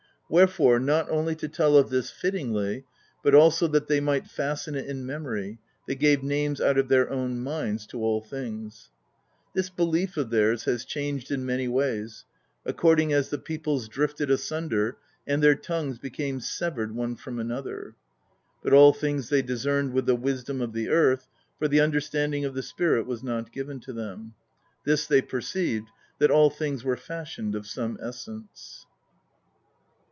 Wherefore, not only to tell of this fit tingly, but also that they might fasten it in memory, they gave names out of their own minds to all things. This be lief of theirs has changed in many ways, according as the peoples drifted asunder and their tongues became severed one from another. But all things they discerned with the wisdom of the earth, for the understanding of the spirit was not given to them ; this they perceived, that all things were fashioned of some essence.